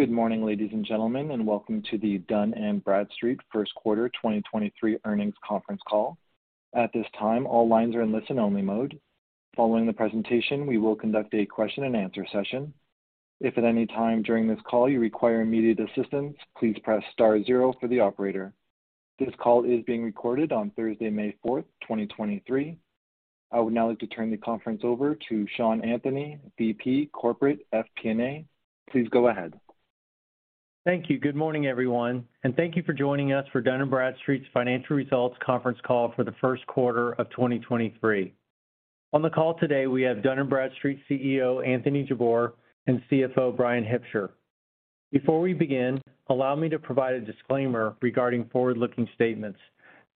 Good morning, ladies and gentlemen, welcome to the Dun & Bradstreet first quarter 2023 earnings conference call. At this time, all lines are in listen-only mode. Following the presentation, we will conduct a question-and-answer session. If at any time during this call you require immediate assistance, please press star zero for the operator. This call is being recorded on Thursday, May fourth, 2023. I would now like to turn the conference over to Sean Anthony, VP Corporate FP&A. Please go ahead. Thank you. Good morning, everyone, thank you for joining us for Dun & Bradstreet's financial results conference call for the first quarter of 2023. On the call today, we have Dun & Bradstreet CEO Anthony Jabbour and CFO Bryan Hipsher. Before we begin, allow me to provide a disclaimer regarding forward-looking statements.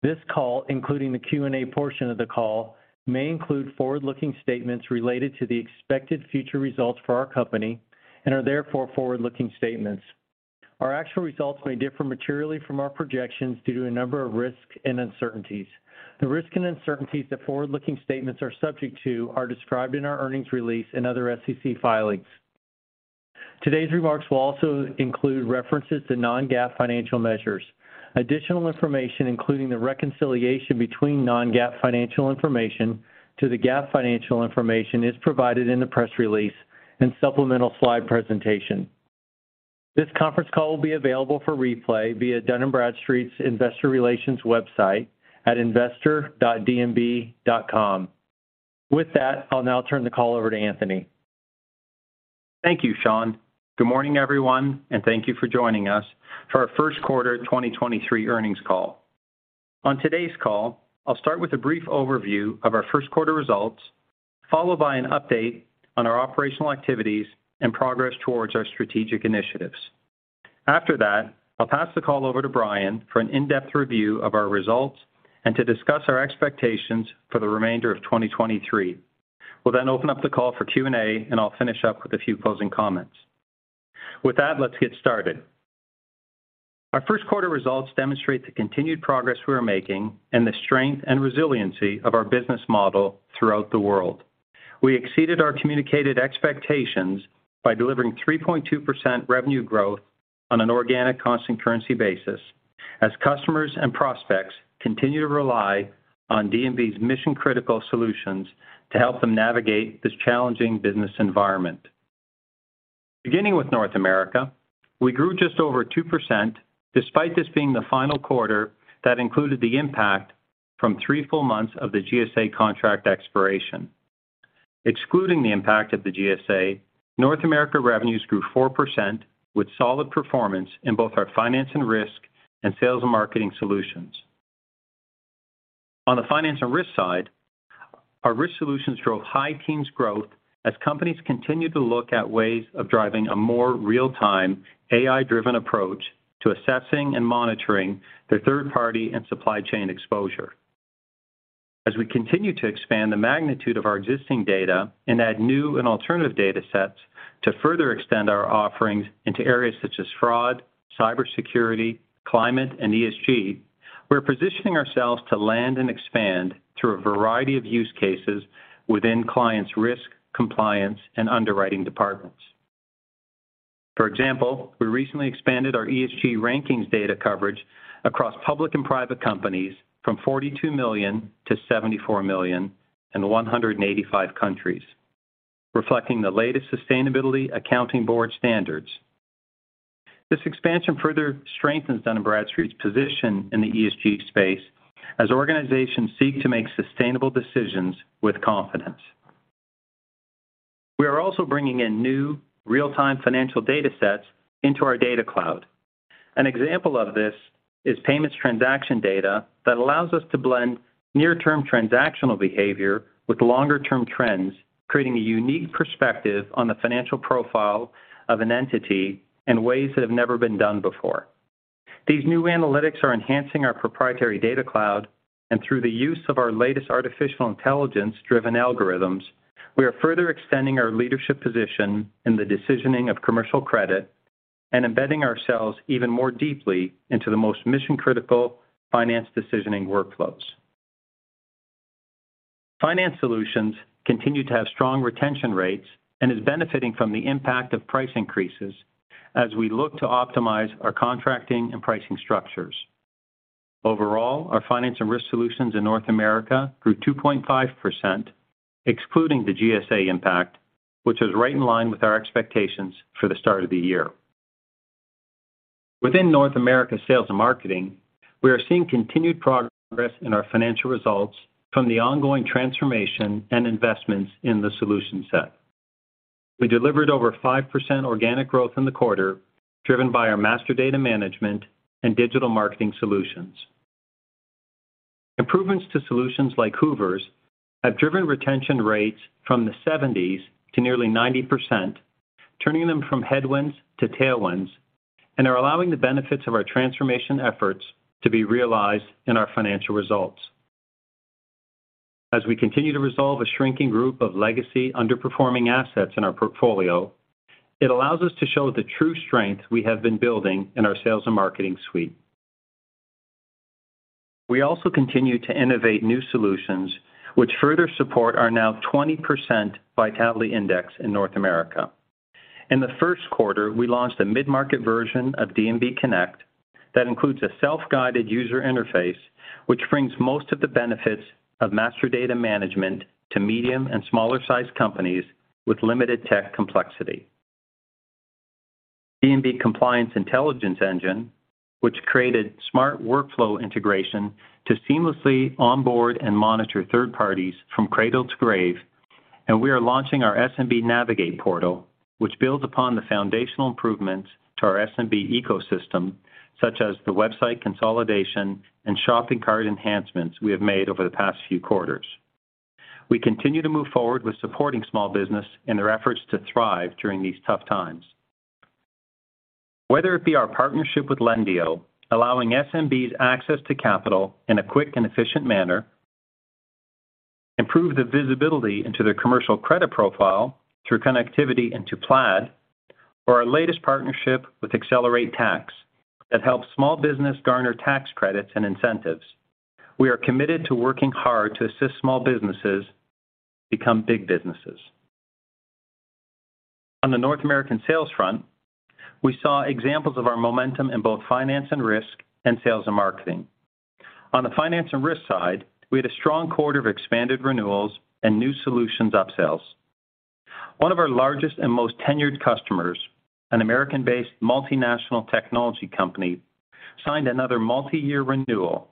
This call, including the Q&A portion of the call, may include forward-looking statements related to the expected future results for our company and are therefore forward-looking statements. Our actual results may differ materially from our projections due to a number of risks and uncertainties. The risks and uncertainties that forward-looking statements are subject to are described in our earnings release and other SEC filings. Today's remarks will also include references to non-GAAP financial measures. Additional information, including the reconciliation between non-GAAP financial information to the GAAP financial information, is provided in the press release and supplemental slide presentation. This conference call will be available for replay via Dun & Bradstreet's investor relations website at investor.dnb.com. With that, I'll now turn the call over to Anthony. Thank you, Sean. Good morning, everyone, thank you for joining us for our first quarter 2023 earnings call. On today's call, I'll start with a brief overview of our first quarter results, followed by an update on our operational activities and progress towards our strategic initiatives. After that, I'll pass the call over to Bryan for an in-depth review of our results and to discuss our expectations for the remainder of 2023. We'll open up the call for Q&A, and I'll finish up with a few closing comments. With that, let's get started. Our first quarter results demonstrate the continued progress we are making and the strength and resiliency of our business model throughout the world. We exceeded our communicated expectations by delivering 3.2% revenue growth on an organic constant currency basis as customers and prospects continue to rely on D&B's mission-critical solutions to help them navigate this challenging business environment. Beginning with North America, we grew just over 2% despite this being the final quarter that included the impact from 3 full months of the GSA contract expiration. Excluding the impact of the GSA, North America revenues grew 4% with solid performance in both our finance and risk and sales and marketing solutions. On the finance and risk side, our risk solutions drove high teens growth as companies continued to look at ways of driving a more real-time AI-driven approach to assessing and monitoring their third-party and supply chain exposure. As we continue to expand the magnitude of our existing data and add new and alternative datasets to further extend our offerings into areas such as fraud, cybersecurity, climate, and ESG, we're positioning ourselves to land and expand through a variety of use cases within clients' risk, compliance, and underwriting departments. For example, we recently expanded our ESG rankings data coverage across public and private companies from 42 million to 74 million in 185 countries, reflecting the latest Sustainability Accounting Board standards. This expansion further strengthens Dun & Bradstreet's position in the ESG space as organizations seek to make sustainable decisions with confidence. We are also bringing in new real-time financial datasets into our data cloud. An example of this is payments transaction data that allows us to blend near-term transactional behavior with longer-term trends, creating a unique perspective on the financial profile of an entity in ways that have never been done before. These new analytics are enhancing our proprietary data cloud, and through the use of our latest artificial intelligence-driven algorithms, we are further extending our leadership position in the decisioning of commercial credit and embedding ourselves even more deeply into the most mission-critical finance decisioning workflows. Finance solutions continue to have strong retention rates and is benefiting from the impact of price increases as we look to optimize our contracting and pricing structures. Overall, our finance and risk solutions in North America grew 2.5%, excluding the GSA impact, which is right in line with our expectations for the start of the year. Within North America sales and marketing, we are seeing continued progress in our financial results from the ongoing transformation and investments in the solution set. We delivered over 5% organic growth in the quarter, driven by our master data management and digital marketing solutions. Improvements to solutions like Hoovers have driven retention rates from the 70s to nearly 90%, turning them from headwinds to tailwinds and are allowing the benefits of our transformation efforts to be realized in our financial results. We continue to resolve a shrinking group of legacy underperforming assets in our portfolio, it allows us to show the true strength we have been building in our sales and marketing suite. We also continue to innovate new solutions which further support our now 20% vitality index in North America. In the first quarter, we launched a mid-market version of D&B Connect that includes a self-guided user interface, which brings most of the benefits of master data management to medium and smaller-sized companies with limited tech complexity. D&B Compliance Intelligence engine, which created smart workflow integration to seamlessly onboard and monitor third parties from cradle to grave. We are launching our SMB Navigate portal, which builds upon the foundational improvements to our SMB ecosystem, such as the website consolidation and shopping cart enhancements we have made over the past few quarters. We continue to move forward with supporting small business in their efforts to thrive during these tough times. Whether it be our partnership with Lendio, allowing SMBs access to capital in a quick and efficient manner, improve the visibility into their commercial credit profile through connectivity into Plaid, or our latest partnership with AccelerateTax that helps small business garner tax credits and incentives. We are committed to working hard to assist small businesses become big businesses. On the North American sales front, we saw examples of our momentum in both finance and risk and sales and marketing. On the finance and risk side, we had a strong quarter of expanded renewals and new solutions up-sells. One of our largest and most tenured customers, an American-based multinational technology company, signed another multi-year renewal.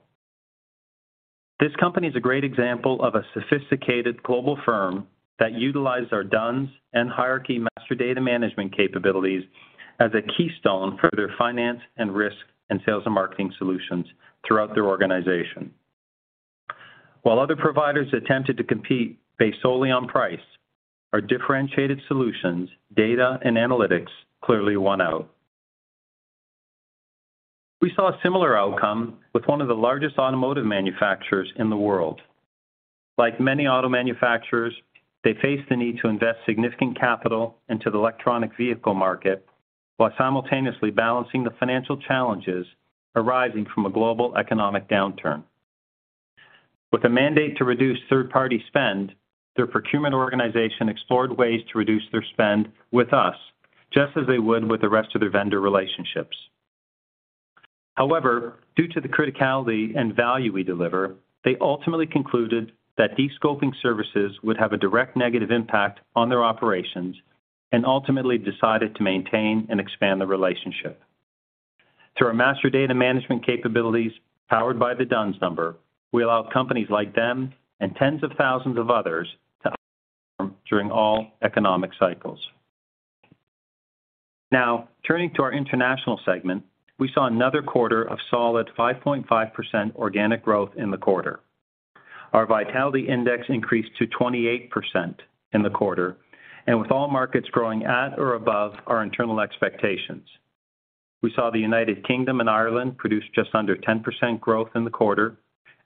This company is a great example of a sophisticated global firm that utilized our D-U-N-S and hierarchy master data management capabilities as a keystone for their finance and risk and sales and marketing solutions throughout their organization. While other providers attempted to compete based solely on price, our differentiated solutions, data, and analytics clearly won out. We saw a similar outcome with one of the largest automotive manufacturers in the world. Like many auto manufacturers, they face the need to invest significant capital into the electronic vehicle market while simultaneously balancing the financial challenges arising from a global economic downturn. With a mandate to reduce third-party spend, their procurement organization explored ways to reduce their spend with us, just as they would with the rest of their vendor relationships. However, due to the criticality and value we deliver, they ultimately concluded that de-scoping services would have a direct negative impact on their operations, and ultimately decided to maintain and expand the relationship. Through our master data management capabilities powered by the D-U-N-S Number, we allow companies like them and tens of thousands of others to during all economic cycles. Now, turning to our international segment, we saw another quarter of solid 5.5% organic growth in the quarter. Our City Vitality Index increased to 28% in the quarter, and with all markets growing at or above our internal expectations. We saw the United Kingdom and Ireland produce just under 10% growth in the quarter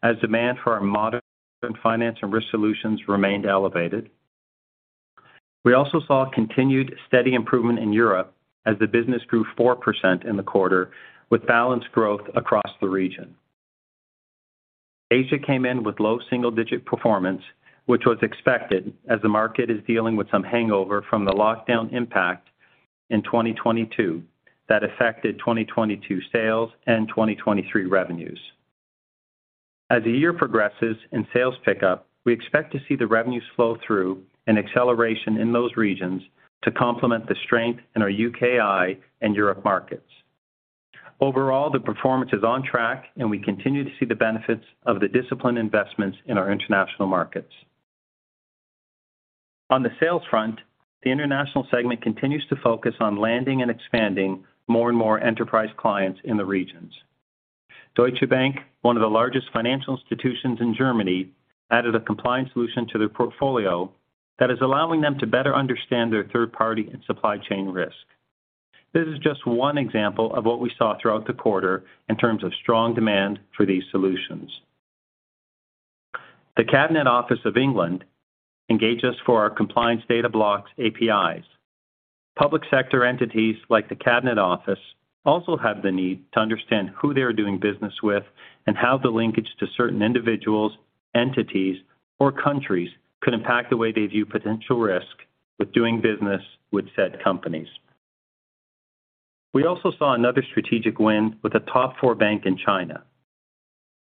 as demand for our modern finance and risk solutions remained elevated. We also saw continued steady improvement in Europe as the business grew 4% in the quarter with balanced growth across the region. Asia came in with low single-digit performance, which was expected as the market is dealing with some hangover from the lockdown impact in 2022 that affected 2022 sales and 2023 revenues. As the year progresses and sales pick up, we expect to see the revenues flow through and acceleration in those regions to complement the strength in our UKI and Europe markets. Overall, the performance is on track, and we continue to see the benefits of the disciplined investments in our international markets. On the sales front, the international segment continues to focus on landing and expanding more and more enterprise clients in the regions. Deutsche Bank, one of the largest financial institutions in Germany, added a compliance solution to their portfolio that is allowing them to better understand their third-party and supply chain risk. This is just one example of what we saw throughout the quarter in terms of strong demand for these solutions. The Cabinet Office of England engaged us for our compliance data blocks APIs. Public sector entities like the Cabinet Office also have the need to understand who they are doing business with and how the linkage to certain individuals, entities, or countries could impact the way they view potential risk with doing business with said companies. We also saw another strategic win with a top four bank in China.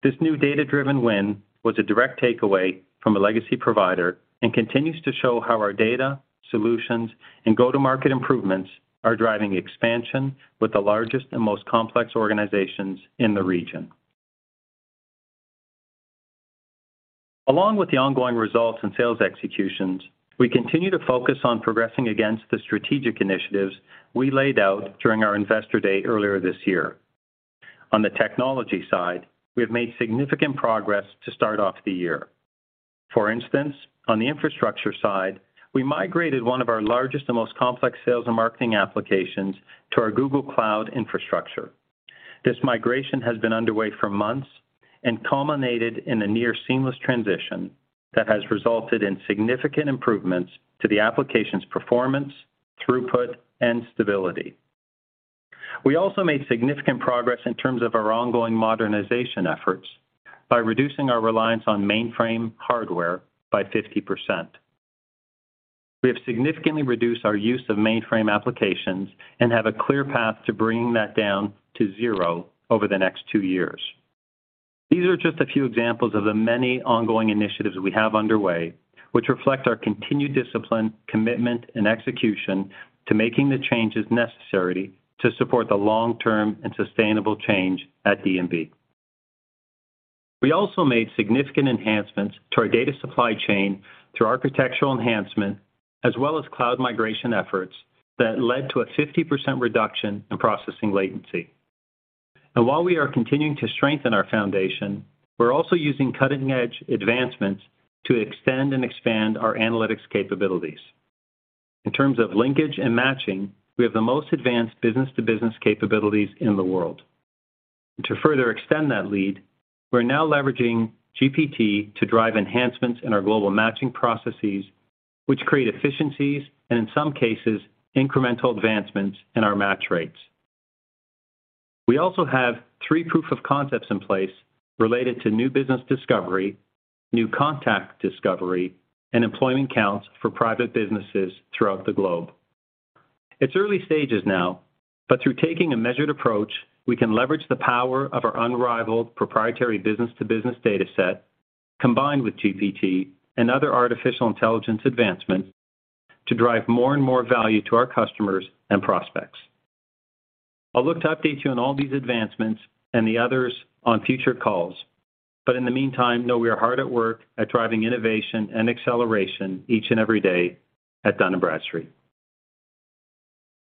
This new data-driven win was a direct takeaway from a legacy provider and continues to show how our data, solutions, and go-to-market improvements are driving expansion with the largest and most complex organizations in the region. Along with the ongoing results in sales executions, we continue to focus on progressing against the strategic initiatives we laid out during our investor day earlier this year. On the technology side, we have made significant progress to start off the year. For instance, on the infrastructure side, we migrated one of our largest and most complex sales and marketing applications to our Google Cloud infrastructure. This migration has been underway for months and culminated in a near seamless transition that has resulted in significant improvements to the application's performance, throughput, and stability. We also made significant progress in terms of our ongoing modernization efforts by reducing our reliance on mainframe hardware by 50%. We have significantly reduced our use of mainframe applications and have a clear path to bringing that down to zero over the next 2 years. These are just a few examples of the many ongoing initiatives we have underway which reflect our continued discipline, commitment, and execution to making the changes necessary to support the long-term and sustainable change at DNB. We also made significant enhancements to our data supply chain through architectural enhancement as well as cloud migration efforts that led to a 50% reduction in processing latency. While we are continuing to strengthen our foundation, we're also using cutting-edge advancements to extend and expand our analytics capabilities. In terms of linkage and matching, we have the most advanced business-to-business capabilities in the world. To further extend that lead, we're now leveraging GPT to drive enhancements in our global matching processes, which create efficiencies and in some cases, incremental advancements in our match rates. We also have three proof of concepts in place related to new business discovery, new contact discovery, and employment counts for private businesses throughout the globe. It's early stages now, but through taking a measured approach, we can leverage the power of our unrivaled proprietary business-to-business data set, combined with GPT and other artificial intelligence advancements, to drive more and more value to our customers and prospects. I'll look to update you on all these advancements and the others on future calls, but in the meantime, know we are hard at work at driving innovation and acceleration each and every day at Dun & Bradstreet.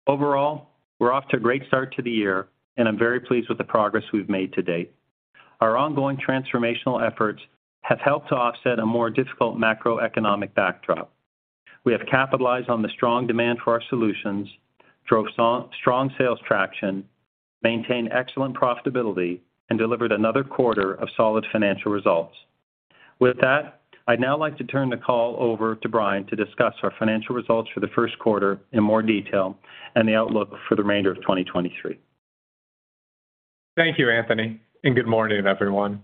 Overall, we're off to a great start to the year. I'm very pleased with the progress we've made to date. Our ongoing transformational efforts have helped to offset a more difficult macroeconomic backdrop. We have capitalized on the strong demand for our solutions, drove strong sales traction, maintained excellent profitability, and delivered another quarter of solid financial results. With that, I'd now like to turn the call over to Bryan to discuss our financial results for the first quarter in more detail and the outlook for the remainder of 2023. Thank you, Anthony. Good morning, everyone.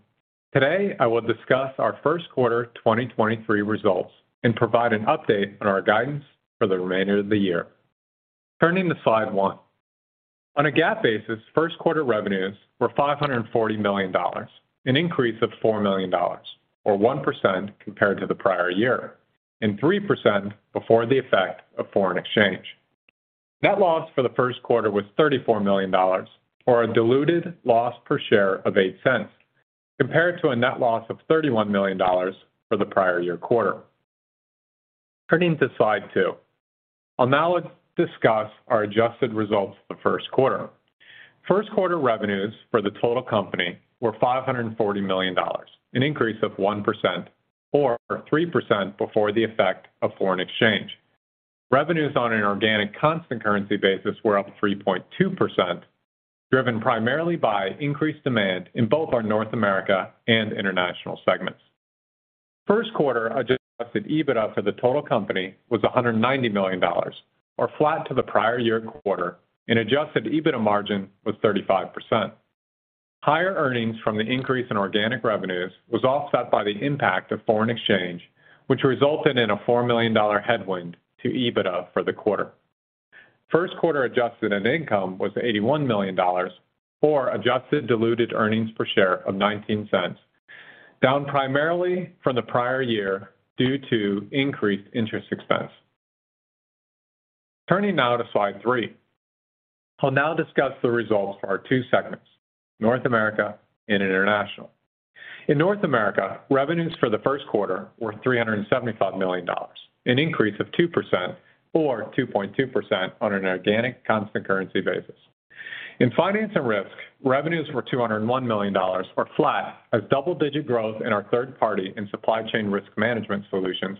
Today, I will discuss our first quarter 2023 results and provide an update on our guidance for the remainder of the year. Turning to slide 1. On a GAAP basis, first quarter revenues were $540 million, an increase of $4 million or 1% compared to the prior year, and 3% before the effect of foreign exchange. Net loss for the first quarter was $34 million or a diluted loss per share of $0.08, compared to a net loss of $31 million for the prior year quarter. Turning to slide 2. I'll now discuss our adjusted results for the first quarter. First quarter revenues for the total company were $540 million, an increase of 1% or 3% before the effect of foreign exchange. Revenues on an organic constant currency basis were up 3.2%, driven primarily by increased demand in both our North America and International segments. First quarter adjusted EBITDA for the total company was $190 million, or flat to the prior year quarter, and adjusted EBITDA margin was 35%. Higher earnings from the increase in organic revenues was offset by the impact of foreign exchange, which resulted in a $4 million headwind to EBITDA for the quarter. First quarter adjusted net income was $81 million or adjusted diluted earnings per share of $0.19, down primarily from the prior year due to increased interest expense. Turning now to slide 3. I'll now discuss the results for our two segments, North America and International. In North America, revenues for the first quarter were $375 million, an increase of 2% or 2.2% on an organic constant currency basis. In finance and risk, revenues were $201 million or flat as double-digit growth in our third party and supply chain risk management solutions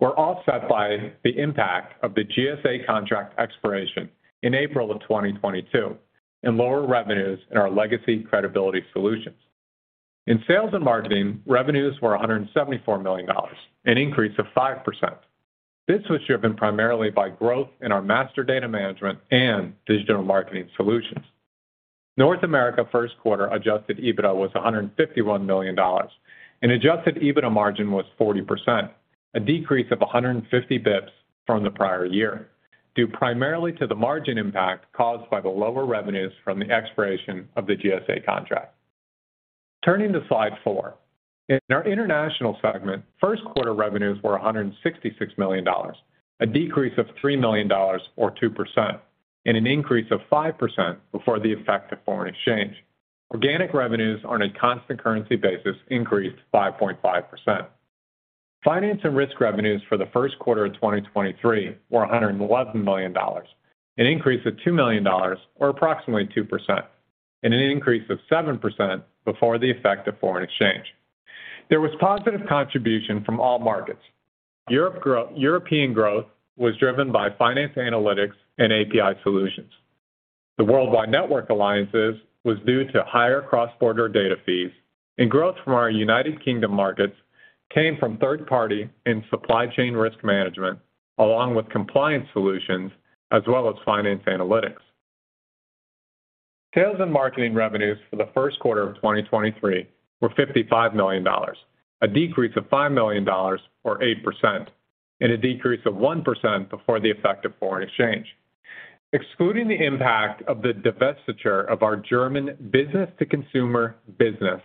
were offset by the impact of the GSA contract expiration in April of 2022 and lower revenues in our legacy credibility solutions. In sales and marketing, revenues were $174 million, an increase of 5%. This was driven primarily by growth in our master data management and digital marketing solutions. North America first quarter adjusted EBITDA was $151 million. Adjusted EBITDA margin was 40%, a decrease of 150 bips from the prior year, due primarily to the margin impact caused by the lower revenues from the expiration of the GSA contract. Turning to slide 4. In our International segment, first quarter revenues were $166 million, a decrease of $3 million or 2% and an increase of 5% before the effect of foreign exchange. Organic revenues on a constant currency basis increased 5.5%. Finance and risk revenues for the first quarter of 2023 were $111 million, an increase of $2 million or approximately 2%, and an increase of 7% before the effect of foreign exchange. There was positive contribution from all markets. European growth was driven by finance analytics and API solutions. The Worldwide Network alliances was due to higher cross-border data fees. Growth from our United Kingdom markets came from third party and supply chain risk management along with compliance solutions, as well as finance analytics. Sales and marketing revenues for the first quarter of 2023 were $55 million, a decrease of $5 million or 8%, and a decrease of 1% before the effect of foreign exchange. Excluding the impact of the divestiture of our German business to consumer business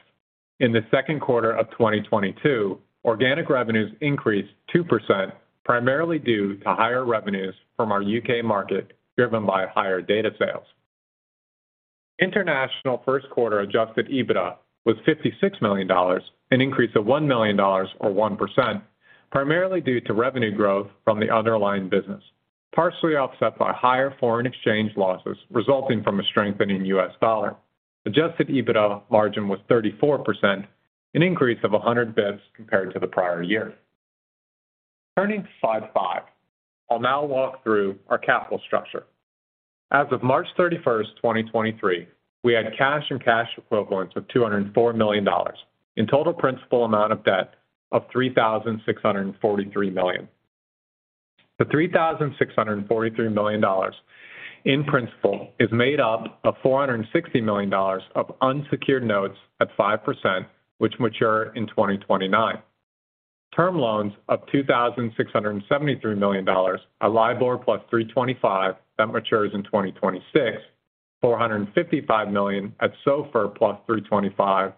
in the second quarter of 2022, organic revenues increased 2% primarily due to higher revenues from our U.K. market, driven by higher data sales. International first quarter adjusted EBITDA was $56 million, an increase of $1 million or 1%, primarily due to revenue growth from the underlying business, partially offset by higher foreign exchange losses resulting from a strengthening U.S. dollar. Adjusted EBITDA margin was 34%, an increase of 100 basis points compared to the prior year. Turning to slide 5. I'll now walk through our capital structure. As of March 31st, 2023, we had cash and cash equivalents of $204 million, and total principal amount of debt of $3,643 million. The $3,643 million in principal is made up of $460 million of unsecured notes at 5%, which mature in 2029. Term loans of $2,673 million dollars are LIBOR +3.25 that matures in 2026, $455 million at SOFR +3.25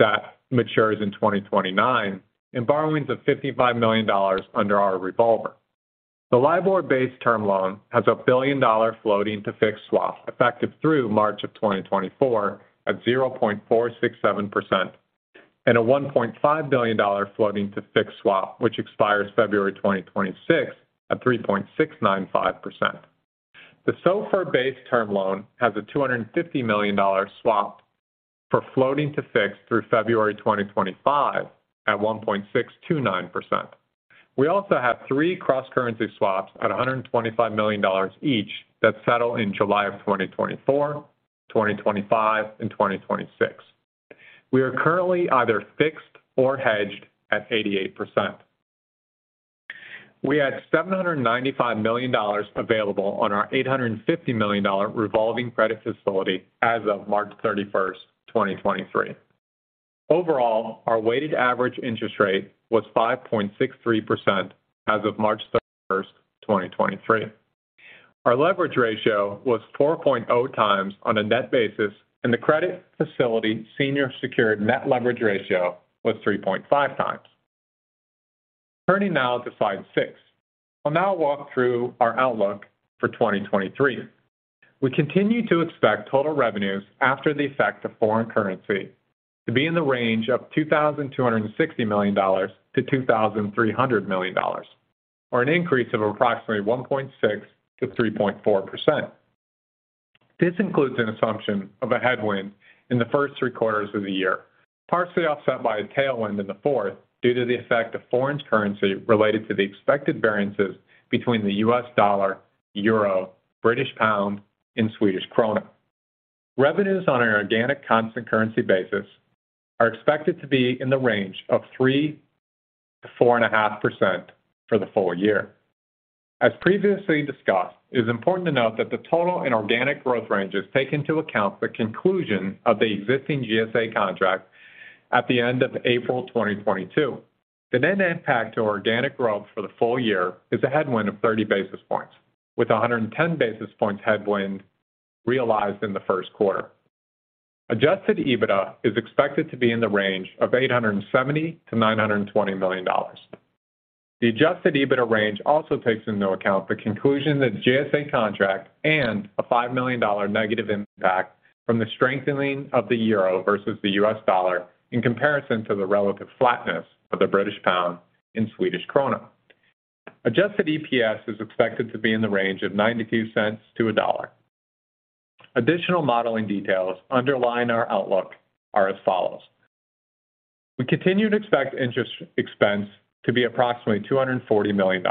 that matures in 2029, and borrowings of $55 million dollars under our revolver. The LIBOR-based term loan has a billion-dollar floating to fixed swap, effective through March of 2024 at 0.467%, and a $1.5 billion dollars floating to fixed swap, which expires February 2026 at 3.695%. The SOFR-based term loan has a $250 million dollar swap for floating to fixed through February 2025 at 1.629%. We also have three cross-currency swaps at $125 million dollars each that settle in July of 2024, 2025, and 2026. We are currently either fixed or hedged at 88%. We had $795 million available on our $850 million revolving credit facility as of March 31, 2023. Overall, our weighted average interest rate was 5.63% as of March 31, 2023. Our leverage ratio was 4.0x on a net basis, and the credit facility senior secured net leverage ratio was 3.5x. Turning now to slide 6. I'll now walk through our outlook for 2023. We continue to expect total revenues after the effect of foreign currency to be in the range of $2,260 million-$2,300 million, or an increase of approximately 1.6%-3.4%. This includes an assumption of a headwind in the first three quarters of the year, partially offset by a tailwind in the fourth due to the effect of foreign currency related to the expected variances between the U.S. dollar, euro, British pound, and Swedish krona. Revenues on an organic constant currency basis are expected to be in the range of 3%-4.5% for the full year. As previously discussed, it is important to note that the total and organic growth range has taken into account the conclusion of the existing GSA contract at the end of April 2022. The net impact to organic growth for the full year is a headwind of 30 basis points, with 110 basis points headwind realized in the first quarter. Adjusted EBITDA is expected to be in the range of $870 million-$920 million. The adjusted EBITDA range also takes into account the conclusion of the GSA contract and a $5 million negative impact from the strengthening of the euro versus the U.S. dollar in comparison to the relative flatness of the British pound in Swedish krona. Adjusted EPS is expected to be in the range of $0.92-$1.00. Additional modeling details underlying our outlook are as follows. We continue to expect interest expense to be approximately $240 million.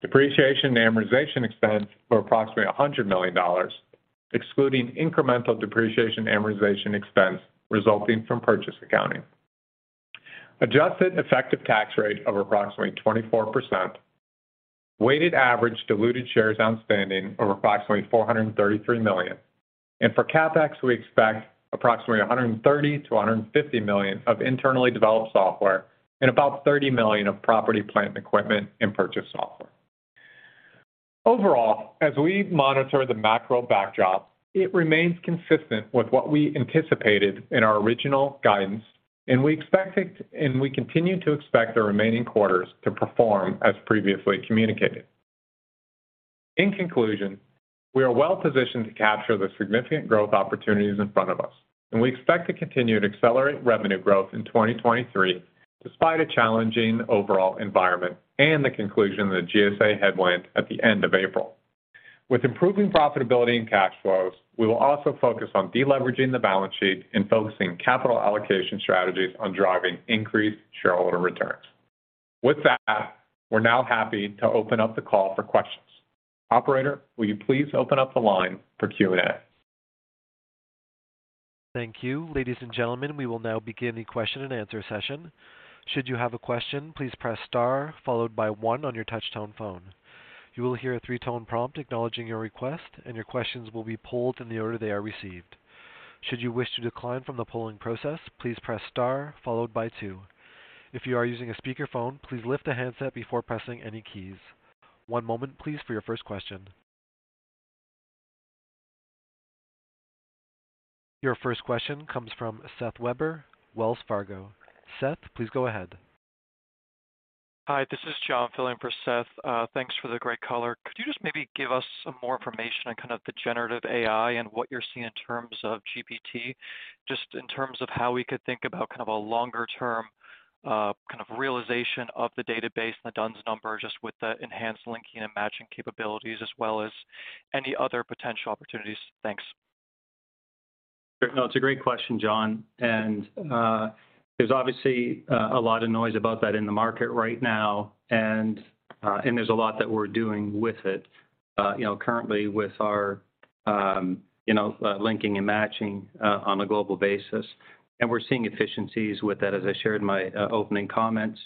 Depreciation and amortization expense of approximately $100 million, excluding incremental depreciation and amortization expense resulting from purchase accounting. Adjusted effective tax rate of approximately 24%. Weighted average diluted shares outstanding of approximately 433 million. For CapEx, we expect approximately $130 million-$150 million of internally developed software and about $30 million of property, plant, and equipment, and purchase software. Overall, as we monitor the macro backdrop, it remains consistent with what we anticipated in our original guidance, and we continue to expect the remaining quarters to perform as previously communicated. In conclusion, we are well positioned to capture the significant growth opportunities in front of us, and we expect to continue to accelerate revenue growth in 2023 despite a challenging overall environment and the conclusion of the GSA headwind at the end of April. With improving profitability and cash flows, we will also focus on deleveraging the balance sheet and focusing capital allocation strategies on driving increased shareholder returns. With that, we're now happy to open up the call for questions. Operator, will you please open up the line for Q&A? Thank you. Ladies and gentlemen, we will now begin the question-and-answer session. Should you have a question, please press star followed by one on your touch-tone phone. You will hear a three-tone prompt acknowledging your request, and your questions will be pulled in the order they are received. Should you wish to decline from the polling process, please press star followed by two. If you are using a speakerphone, please lift the handset before pressing any keys. One moment please for your first question. Your first question comes from Seth Weber, Wells Fargo. Seth, please go ahead. Hi, this is John filling in for Seth. Thanks for the great color. Could you just maybe give us some more information on kind of the generative AI and what you're seeing in terms of GPT, just in terms of how we could think about kind of a longer-term kind of realization of the database and the D-U-N-S Number, just with the enhanced linking and matching capabilities as well as any other potential opportunities? Thanks. No, it's a great question, John. There's obviously a lot of noise about that in the market right now. There's a lot that we're doing with it, you know, currently with our, you know, linking and matching on a global basis. We're seeing efficiencies with that as I shared in my opening comments.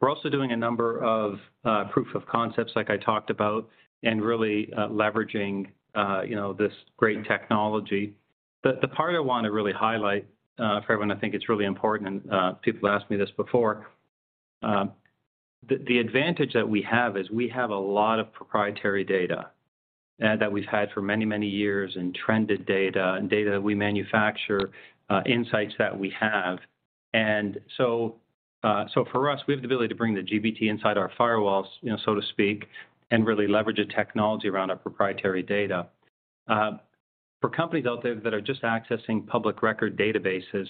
We're also doing a number of proof of concepts like I talked about and really leveraging, you know, this great technology. The part I wanna really highlight for everyone, I think it's really important, and people asked me this before. The advantage that we have is we have a lot of proprietary data that we've had for many, many years and trended data and data that we manufacture, insights that we have. So for us, we have the ability to bring the GPT inside our firewalls, you know, so to speak, and really leverage the technology around our proprietary data. For companies out there that are just accessing public record databases,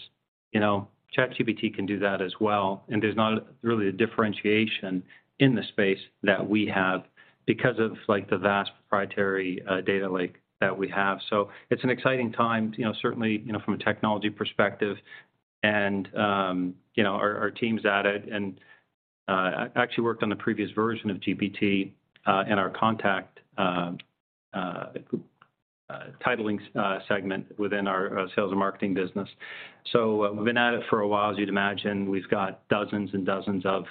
you know, ChatGPT can do that as well. There's not really a differentiation in the space that we have because of like the vast proprietary data lake that we have. It's an exciting time, you know, certainly, you know, from a technology perspective and our teams at it actually worked on the previous version of GPT in our contact titling segment within our sales and marketing business. We've been at it for a while. As you'd imagine, we've got dozens and dozens of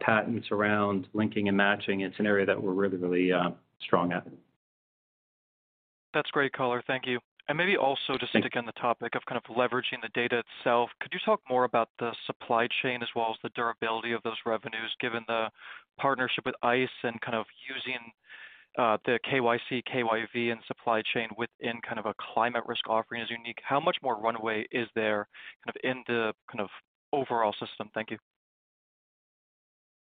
patents around linking and matching. It's an area that we're really strong at. That's great, color. Thank you. maybe also to. Thanks. on the topic of kind of leveraging the data itself, could you talk more about the supply chain as well as the durability of those revenues given the partnership with ICE and kind of using the KYC, KYV and supply chain within kind of a climate risk offering is unique? How much more runway is there kind of in the kind of overall system? Thank you.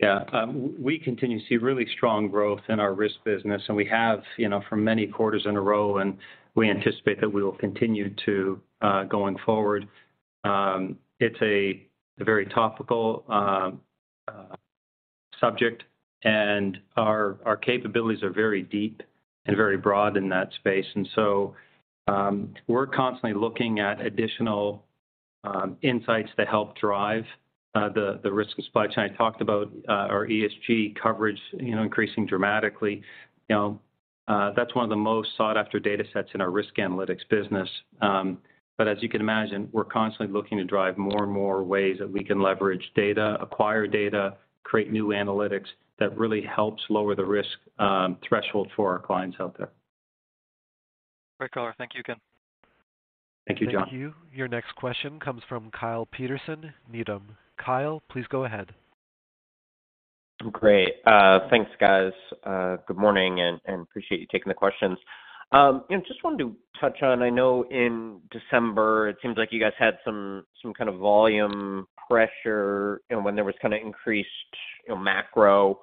Yeah. We continue to see really strong growth in our risk business, and we have, you know, for many quarters in a row, and we anticipate that we will continue to going forward. It's a very topical subject, and our capabilities are very deep and very broad in that space. We're constantly looking at additional insights to help drive the risk and supply chain. I talked about our ESG coverage, you know, increasing dramatically. You know, that's one of the most sought after datasets in our risk analytics business. But as you can imagine, we're constantly looking to drive more and more ways that we can leverage data, acquire data, create new analytics that really helps lower the risk threshold for our clients out there. Great, color. Thank you again. Thank you, John. Thank you. Your next question comes from Kyle Peterson, Needham. Kyle, please go ahead. Great. Thanks, guys. Good morning and appreciate you taking the questions. You know, just wanted to touch on, I know in December, it seems like you guys had some kind of volume pressure, you know, when there was kinda increased, you know, macro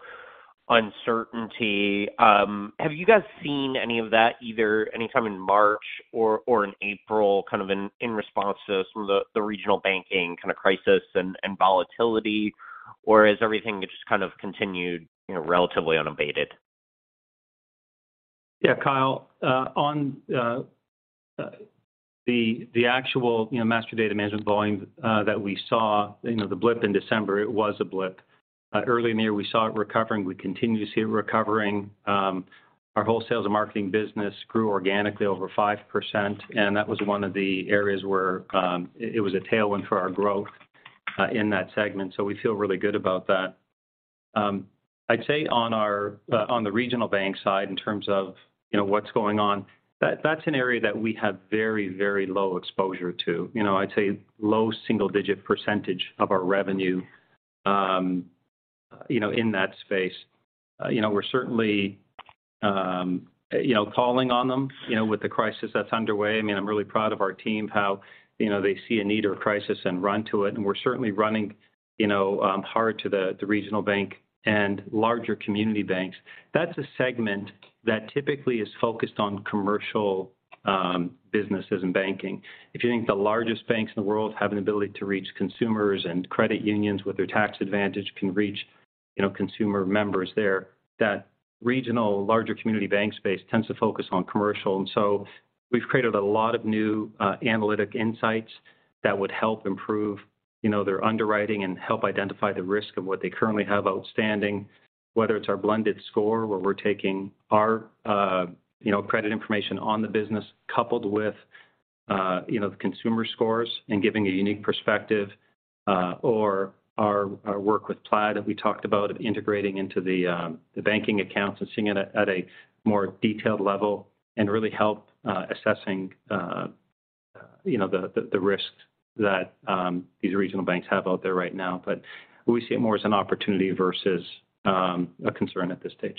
uncertainty. Have you guys seen any of that either anytime in March or in April, kind of in response to some of the regional banking kinda crisis and volatility? Has everything just kind of continued, you know, relatively unabated? Yeah, Kyle. On the actual, you know, master data management volume, that we saw, you know, the blip in December, it was a blip. Early in the year, we saw it recovering. We continue to see it recovering. Our whole sales and marketing business grew organically over 5%, and that was one of the areas where it was a tailwind for our growth in that segment. We feel really good about that. I'd say on the regional bank side in terms of, you know, what's going on, that's an area that we have very, very low exposure to. You know, I'd say low single-digit percentage of our revenue, you know, in that space. You know, we're certainly calling on them, you know, with the crisis that's underway. I mean, I'm really proud of our team, how, you know, they see a need or a crisis and run to it. We're certainly running, you know, hard to the regional bank and larger community banks. That's a segment that typically is focused on commercial businesses and banking. If you think the largest banks in the world have an ability to reach consumers and credit unions with their tax advantage can reach, you know, consumer members there. That regional larger community bank space tends to focus on commercial. we've created a lot of new analytic insights that would help improve You know, their underwriting and help identify the risk of what they currently have outstanding, whether it's our blended score, where we're taking our, you know, credit information on the business coupled with, you know, the consumer scores and giving a unique perspective, or our work with Plaid that we talked about of integrating into the banking accounts and seeing it at a more detailed level and really help assessing, you know, the risks that these regional banks have out there right now. We see it more as an opportunity versus a concern at this stage.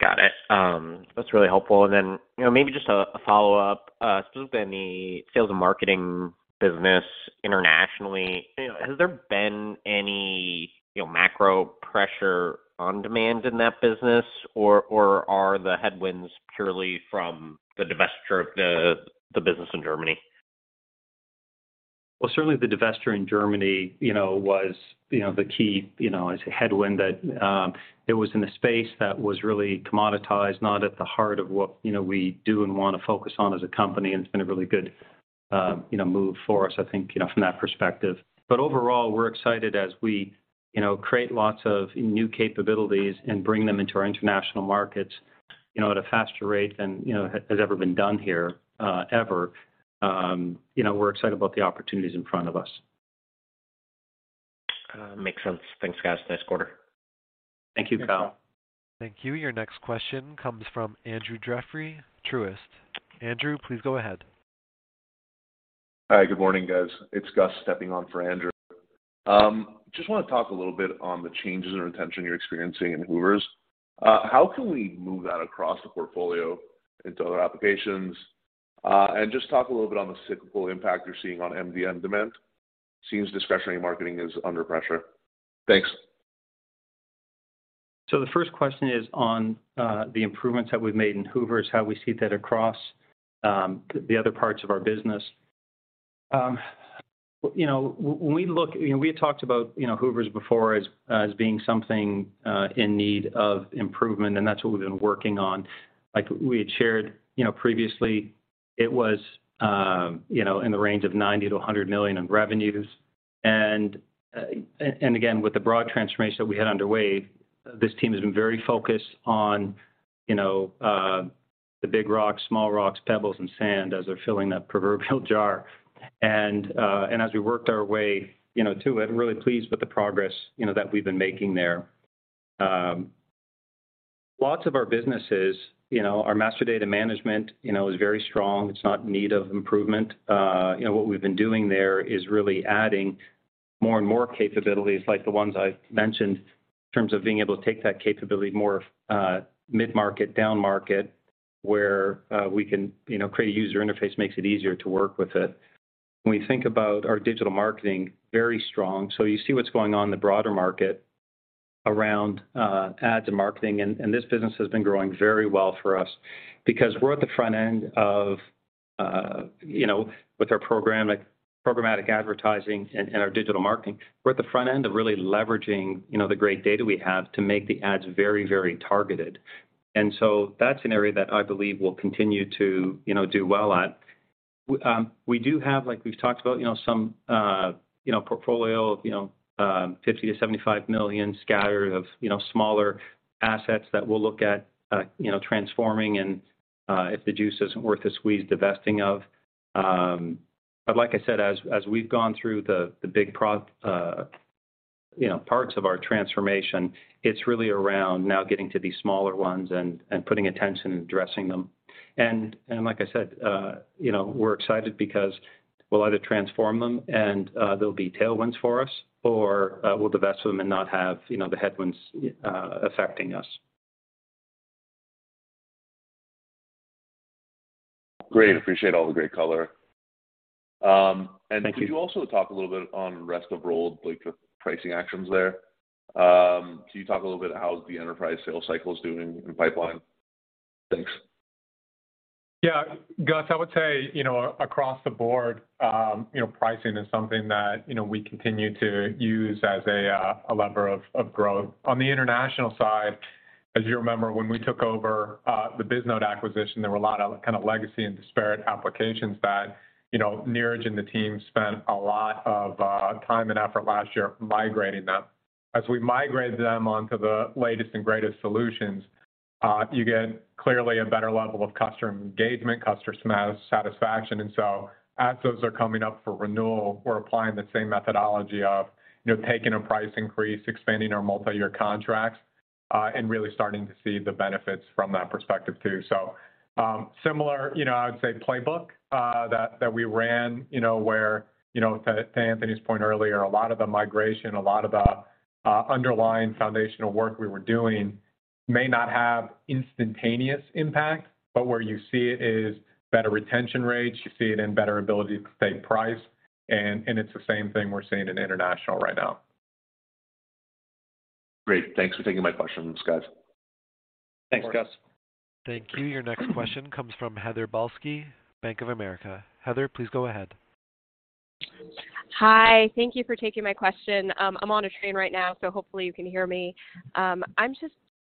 Got it. That's really helpful. You know, maybe just a follow-up. Specifically in the sales and marketing business internationally, you know, has there been any, you know, macro pressure on demand in that business or are the headwinds purely from the divesture of the business in Germany? Well, certainly the divesture in Germany, you know, was, you know, the key, you know, I say headwind that it was in a space that was really commoditized, not at the heart of what, you know, we do and wanna focus on as a company, and it's been a really good, you know, move for us, I think, you know, from that perspective. Overall, we're excited as we, you know, create lots of new capabilities and bring them into our international markets, you know, at a faster rate than, you know, has ever been done here, ever. You know, we're excited about the opportunities in front of us. Makes sense. Thanks, guys. Nice quarter. Thank you, Kyle. Thank you. Your next question comes from Andrew Jeffrey, Truist. Andrew, please go ahead. Hi. Good morning, guys. It's Gus stepping on for Andrew. Just wanna talk a little bit on the changes in retention you're experiencing in Hoovers. How can we move that across the portfolio into other applications? Just talk a little bit on the cyclical impact you're seeing on MDM demand, seems discretionary marketing is under pressure. Thanks. The first question is on the improvements that we've made in Hoovers, how we see that across the other parts of our business. You know, We had talked about, you know, Hoovers before as being something in need of improvement, and that's what we've been working on. Like we had shared, you know, previously, it was, you know, in the range of $90 million-$100 million in revenues. And again, with the broad transformation that we had underway, this team has been very focused on, you know, the big rocks, small rocks, pebbles, and sand as they're filling that proverbial jar. And as we worked our way, you know, to it, really pleased with the progress, you know, that we've been making there. Lots of our businesses, you know, our master data management, you know, is very strong. It's not in need of improvement. You know, what we've been doing there is really adding more and more capabilities like the ones I've mentioned in terms of being able to take that capability more mid-market, down market, where we can, you know, create a user interface makes it easier to work with it. When we think about our digital marketing, very strong. You see what's going on in the broader market around ads and marketing, and this business has been growing very well for us because we're at the front end of, you know, with our programmatic advertising and our digital marketing. We're at the front end of really leveraging, you know, the great data we have to make the ads very, very targeted. That's an area that I believe we'll continue to, you know, do well at. We do have, like we've talked about, you know, some, you know, portfolio of, you know, $50 million-$75 million scattered of, you know, smaller assets that we'll look at, you know, transforming and, if the juice isn't worth the squeeze, divesting of. Like I said, as we've gone through the big, you know, parts of our transformation, it's really around now getting to these smaller ones and putting attention and addressing them. Like I said, you know, we're excited because we'll either transform them and, they'll be tailwinds for us, or, we'll divest them and not have, you know, the headwinds, affecting us. Great. Appreciate all the great color. Thank you. Could you also talk a little bit on rest of world, like the pricing actions there? Could you talk a little bit how the enterprise sales cycle is doing in pipeline? Thanks. Yeah. Gus, I would say, you know, across the board, you know, pricing is something that, you know, we continue to use as a lever of growth. On the international side, as you remember, when we took over the Bisnode acquisition, there were a lot of kind of legacy and disparate applications that, you know, Neeraj and the team spent a lot of time and effort last year migrating them. As we migrate them onto the latest and greatest solutions, you get clearly a better level of customer engagement, customer satisfaction. As those are coming up for renewal, we're applying the same methodology of, you know, taking a price increase, expanding our multiyear contracts, and really starting to see the benefits from that perspective too. similar, you know, I would say playbook, that we ran, you know, where, you know, to Anthony's point earlier, a lot of the migration, a lot of the underlying foundational work we were doing may not have instantaneous impact, but where you see it is better retention rates, you see it in better ability to take price and it's the same thing we're seeing in international right now. Great. Thanks for taking my questions, guys. Thanks, Gus. Thank you. Your next question comes from Heather Balsky, Bank of America. Heather, please go ahead. Hi. Thank you for taking my question. I'm on a train right now, so hopefully you can hear me.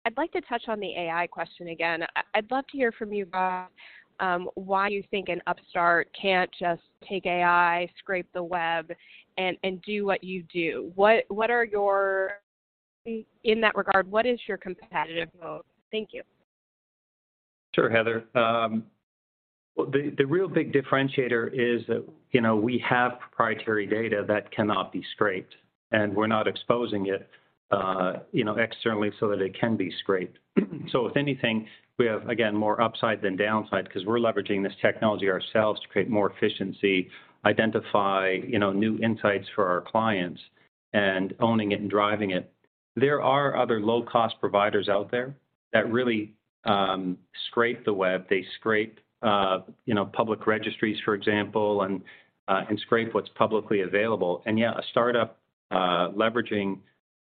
I'd like to touch on the AI question again. I'd love to hear from you both why you think an upstart can't just take AI, scrape the web, and do what you do. In that regard, what is your competitive moat? Thank you. Sure, Heather. The real big differentiator is that, you know, we have proprietary data that cannot be scraped, and we're not exposing it, you know, externally so that it can be scraped. If anything, we have, again, more upside than downside 'cause we're leveraging this technology ourselves to create more efficiency, identify, you know, new insights for our clients, and owning it and driving it. There are other low-cost providers out there that really scrape the web. They scrape, you know, public registries, for example, and scrape what's publicly available. Yeah, a startup leveraging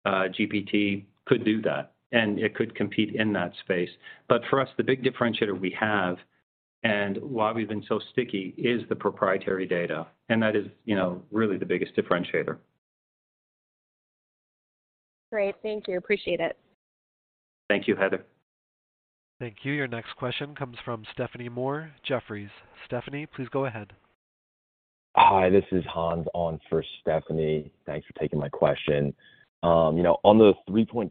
GPT could do that, and it could compete in that space. For us, the big differentiator we have and why we've been so sticky is the proprietary data, and that is, you know, really the biggest differentiator. Great. Thank you. Appreciate it. Thank you, Heather. Thank you. Your next question comes from Stephanie Moore, Jefferies. Stephanie, please go ahead. Hi, this is Hans on for Stephanie. Thanks for taking my question. you know, on the 3.2%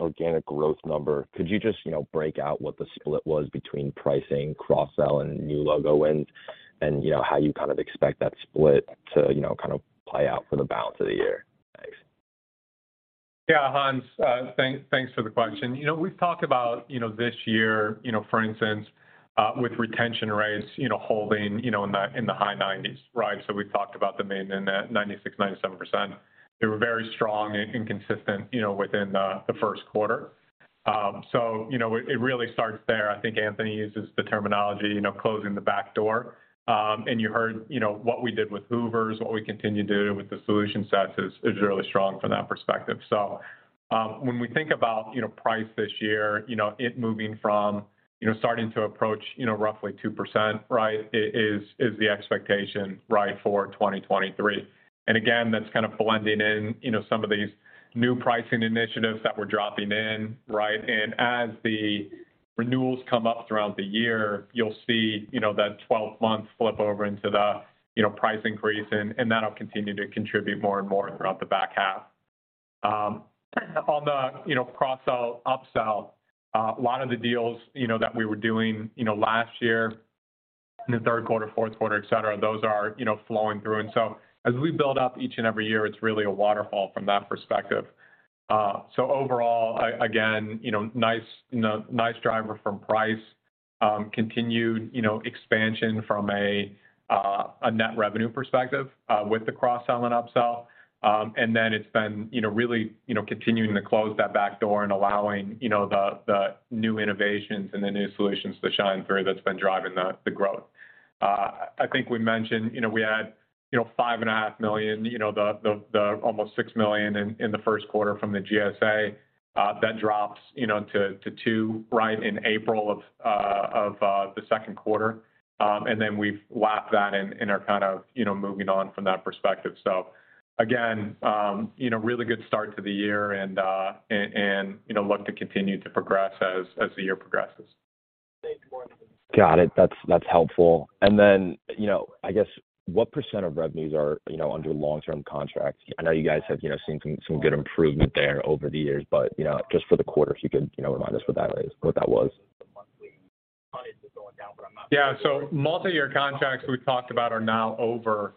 organic growth number, could you just, you know, break out what the split was between pricing, cross-sell, and new logo wins, and, you know, how you kind of expect that split to, you know, kind of play out for the balance of the year? Thanks. Yeah, Hans. Thanks for the question. You know, we've talked about, you know, this year, you know, for instance, with retention rates, you know, holding, you know, in the high 90s, right? We've talked about them being in that 96%-97%. They were very strong and consistent, you know, within the first quarter. You know, it really starts there. I think Anthony uses the terminology, you know, closing the back door. You heard, you know, what we did with D&B Hoovers, what we continue to do with the solution sets is really strong from that perspective. When we think about, you know, price this year, you know, it moving from, you know, starting to approach, you know, roughly 2%, right, is the expectation, right, for 2023. Again, that's kind of blending in, you know, some of these new pricing initiatives that we're dropping in, right? As the renewals come up throughout the year, you'll see, you know, that 12-month flip over into the, you know, price increase, and that'll continue to contribute more and more throughout the back half. On the, you know, cross-sell, upsell, a lot of the deals, you know, that we were doing, you know, last year in the third quarter, fourth quarter, et cetera, those are, you know, flowing through. As we build up each and every year, it's really a waterfall from that perspective. Overall, again, you know, nice, you know, nice driver from price, continued, you know, expansion from a net revenue perspective, with the cross-sell and upsell. Then it's been, you know, really, you know, continuing to close that back door and allowing, you know, the new innovations and the new solutions to shine through that's been driving the growth. I think we mentioned, you know, we had, you know, $5.5 million, you know, the almost $6 million in the first quarter from the GSA, that drops, you know, to two right in April of the second quarter. Then we've lapped that and are kind of, you know, moving on from that perspective. Again, you know, really good start to the year and, you know, look to continue to progress as the year progresses. Got it. That's helpful. Then, you know, I guess what percent of revenues are, you know, under long-term contracts? I know you guys have, you know, seen some good improvement there over the years, but, you know, just for the quarter, if you could, you know, remind us what that is what that was. Yeah. multi-year contracts we've talked about are now over,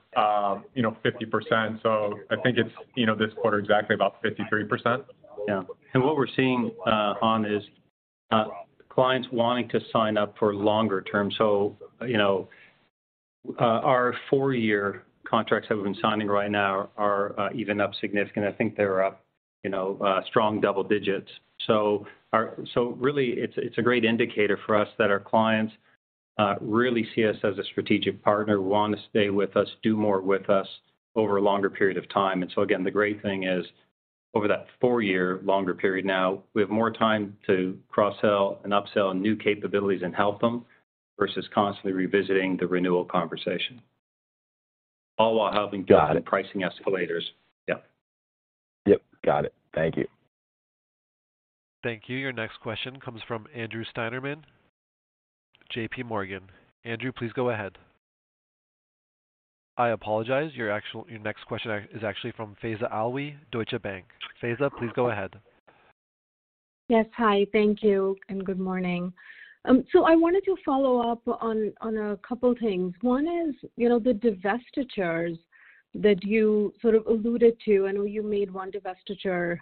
you know, 50%. I think it's, you know, this quarter exactly about 53%. Yeah. What we're seeing, Hans, is clients wanting to sign up for longer term. You know, our four-year contracts that we've been signing right now are even up significant. I think they're up, you know, strong double digits. Really it's a great indicator for us that our clients really see us as a strategic partner, want to stay with us, do more with us over a longer period of time. Again, the great thing is over that four-year longer period now, we have more time to cross-sell and upsell new capabilities and help them versus constantly revisiting the renewal conversation, all while having- Got it. -pricing escalators. Yeah. Yep. Got it. Thank you. Thank you. Your next question comes from Andrew Steinerman, J.P. Morgan. Andrew, please go ahead. I apologize. Your next question is actually from Faiza Alwy, Deutsche Bank. Faiza, please go ahead. Yes. Hi. Thank you and good morning. I wanted to follow up on a couple things. One is, you know, the divestitures that you sort of alluded to. I know you made one divestiture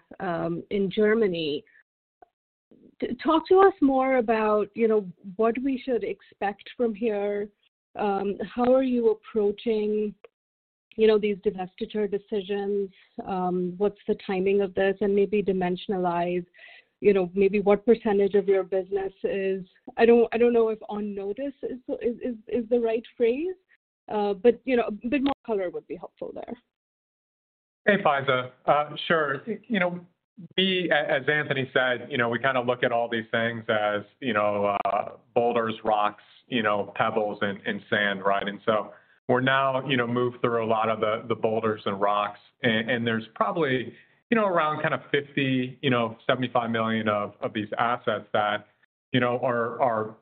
in Germany. Talk to us more about, you know, what we should expect from here. How are you approaching, you know, these divestiture decisions? What's the timing of this? Maybe dimensionalize, you know, maybe what percentage of your business is... I don't know if on notice is the right phrase, but, you know, a bit more color would be helpful there. Hey, Faiza. Sure. You know, as Anthony said, you know, we kinda look at all these things as, you know, boulders, rocks, you know, pebbles, and sand, right? We're now, you know, moved through a lot of the boulders and rocks. And there's probably, you know, around kinda 50, you know, $75 million of these assets that, you know, are,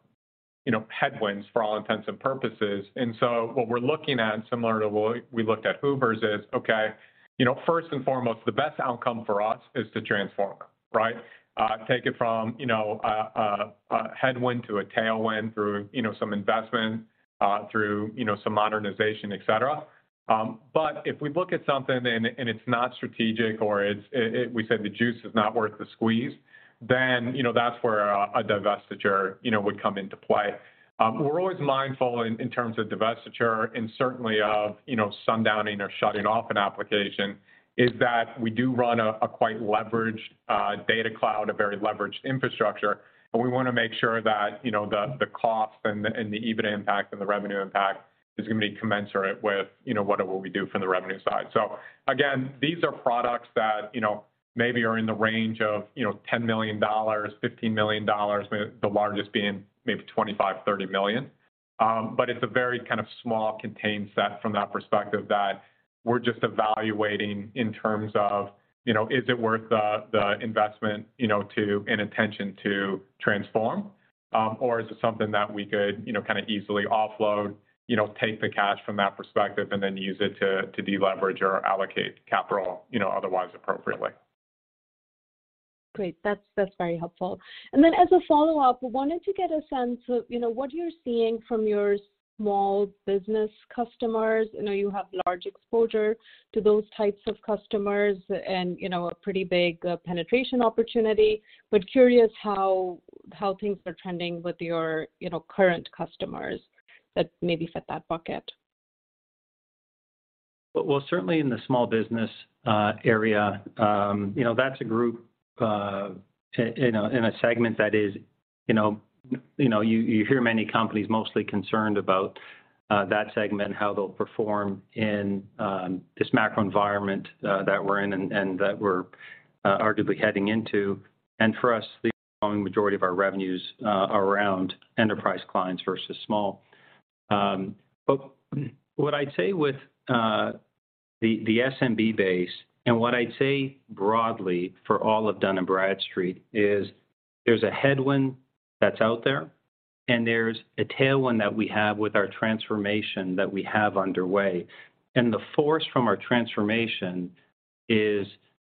you know, headwinds for all intents and purposes. What we're looking at, similar to what we looked at Hoovers is, okay, you know, first and foremost, the best outcome for us is to transform, right? Take it from, you know, a headwind to a tailwind through, you know, some investment, through, you know, some modernization, et cetera. If we look at something and it's not strategic or it's... We said the juice is not worth the squeeze, then, you know, that's where our divestiture, you know, would come into play. We're always mindful in terms of divestiture and certainly of, you know, sundowning or shutting off an application, is that we do run a quite leveraged data cloud, a very leveraged infrastructure. We wanna make sure that, you know, the cost and the EBITDA impact and the revenue impact is gonna be commensurate with, you know, what it will be due from the revenue side. Again, these are products that, you know, maybe are in the range of, you know, $10 million, $15 million, the largest being maybe $25 million-$30 million. It's a very kind of small contained set from that perspective that we're just evaluating in terms of, you know, is it worth the investment, you know, and attention to transform? Is it something that we could, you know, kind of easily offload, you know, take the cash from that perspective and then use it to deleverage or allocate capital, you know, otherwise appropriately? Great. That's very helpful. As a follow-up, I wanted to get a sense of, you know, what you're seeing from your small business customers. I know you have large exposure to those types of customers and, you know, a pretty big penetration opportunity. Curious how things are trending with your, you know, current customers that maybe fit that bucket. Well, certainly in the small business area, you know, that's a group in a, in a segment that is, you know, you hear many companies mostly concerned about that segment, how they'll perform in this macro environment that we're in and that we're arguably heading into. For us, the overwhelming majority of our revenues are around enterprise clients versus small. What I'd say with the SMB base and what I'd say broadly for all of Dun & Bradstreet is there's a headwind that's out there, and there's a tailwind that we have with our transformation that we have underway. The force from our transformation is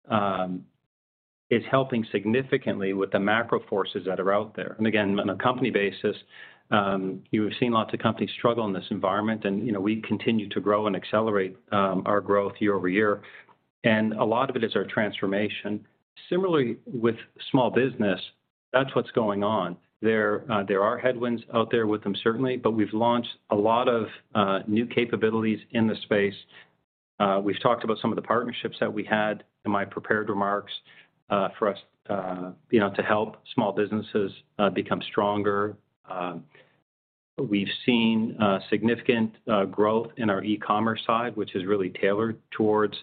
helping significantly with the macro forces that are out there. Again, on a company basis, you've seen lots of companies struggle in this environment. You know, we continue to grow and accelerate our growth year-over-year. A lot of it is our transformation. Similarly, with small business, that's what's going on. There, there are headwinds out there with them, certainly, but we've launched a lot of new capabilities in the space. We've talked about some of the partnerships that we had in my prepared remarks, for us, you know, to help small businesses become stronger. We've seen significant growth in our e-commerce side, which is really tailored towards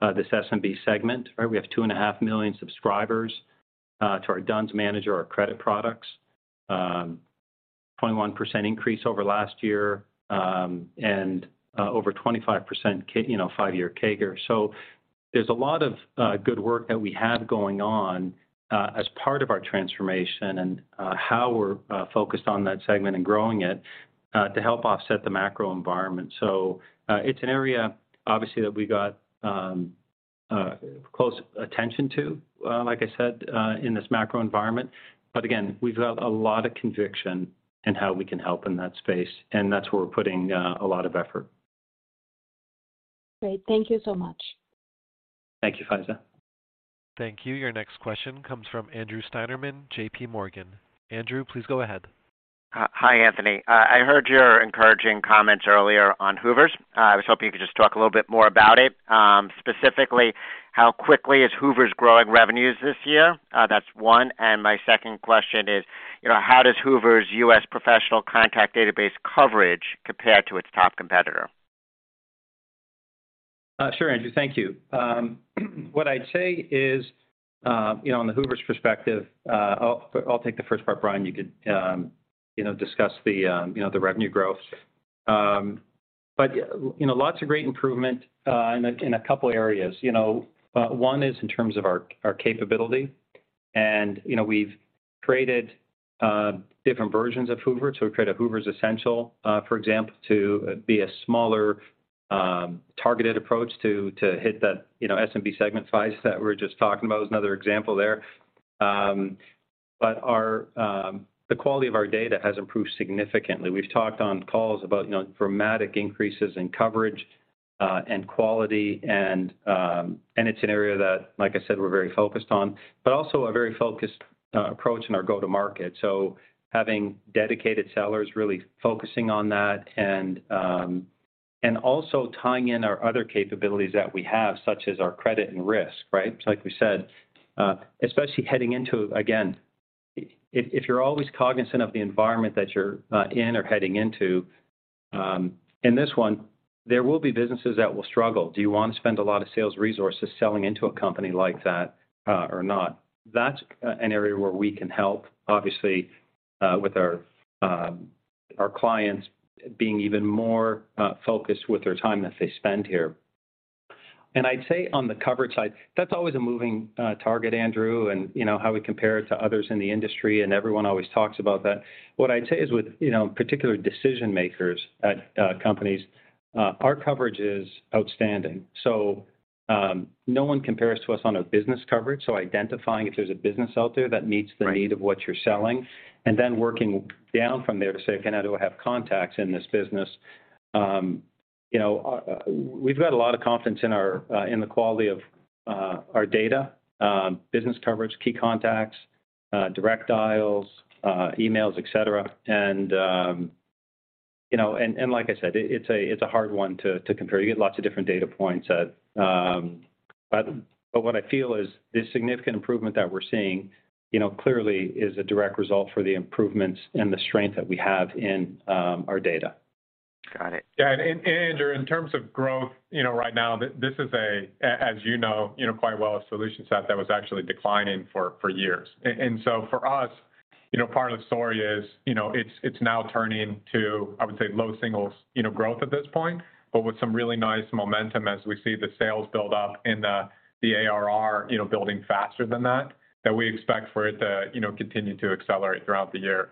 this SMB segment. Right? We have 2.5 million subscribers to our D-U-N-S Manager, our credit products. 21% increase over last year, and over 25% you know, 5-year CAGR. There's a lot of good work that we have going on as part of our transformation and how we're focused on that segment and growing it to help offset the macro environment. It's an area, obviously, that we got a close attention to, like I said, in this macro environment. Again, we've got a lot of conviction in how we can help in that space, and that's where we're putting a lot of effort. Great. Thank you so much. Thank you, Faiza. Thank you. Your next question comes from Andrew Steinerman, JP Morgan. Andrew, please go ahead. Hi, Anthony. I heard your encouraging comments earlier on Hoovers. I was hoping you could just talk a little bit more about it. Specifically, how quickly is Hoovers growing revenues this year? That's one. My second question is, you know, how does Hoovers U.S. professional contact database coverage compare to its top competitor? Sure, Andrew. Thank you. What I'd say is, you know, on the Hoovers perspective, I'll take the first part. Bryan, you could, you know, discuss the, you know, the revenue growth. You know, lots of great improvement in a couple areas. You know, one is in terms of our capability. You know, we've created different versions of Hoovers. We've created a Hoovers Essentials, for example, to be a smaller, targeted approach to hit that, you know, SMB segment size that we were just talking about, is another example there. Our, the quality of our data has improved significantly. We've talked on calls about, you know, dramatic increases in coverage and quality and it's an area that, like I said, we're very focused on, but also a very focused approach in our go-to-market. Having dedicated sellers really focusing on that and also tying in our other capabilities that we have, such as our credit and risk, right? Like we said, especially heading into, again, if you're always cognizant of the environment that you're in or heading into, in this one, there will be businesses that will struggle. Do you want to spend a lot of sales resources selling into a company like that or not? That's an area where we can help, obviously, with our clients being even more focused with their time that they spend here. I'd say on the coverage side, that's always a moving target, Andrew, and, you know, how we compare it to others in the industry, and everyone always talks about that. What I'd say is with, you know, particular decision-makers at companies, our coverage is outstanding. No one compares to us on a business coverage, so identifying if there's a business out there that meets the need-. Right -of what you're selling and then working down from there to say, "Okay, now do I have contacts in this business?" you know, we've got a lot of confidence in our in the quality of our data, business coverage, key contacts, direct dials, emails, et cetera. you know, and like I said, it's a, it's a hard one to compare. You get lots of different data points at. What I feel is this significant improvement that we're seeing, you know, clearly is a direct result for the improvements and the strength that we have in our data. Got it. Yeah. Andrew, in terms of growth, you know, right now, this is a, as you know, you know, quite well, a solution set that was actually declining for years. For us, you know, part of the story is, you know, it's now turning to, I would say, low singles, you know, growth at this point, but with some really nice momentum as we see the sales build up and the ARR, you know, building faster than that we expect for it to, you know, continue to accelerate throughout the year.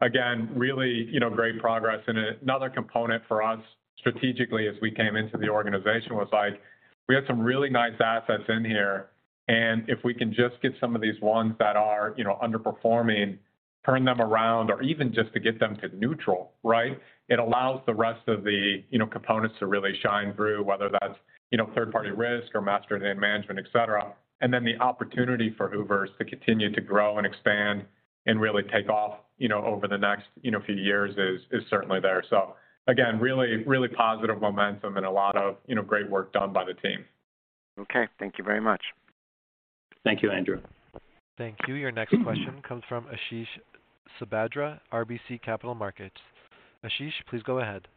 Again, really, you know, great progress. Another component for us strategically as we came into the organization was like we had some really nice assets in here, and if we can just get some of these ones that are, you know, underperforming, turn them around or even just to get them to neutral, right? It allows the rest of the, you know, components to really shine through, whether that's, you know, third-party risk or master data management, et cetera. Then the opportunity for Hoovers to continue to grow and expand and really take off, you know, over the next, you know, few years is certainly there. Again, really positive momentum and a lot of, you know, great work done by the team. Okay. Thank you very much. Thank you, Andrew. Thank you. Your next question comes from Ashish Sabadra, RBC Capital Markets. Ashish, please go ahead.